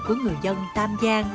của người dân tam giang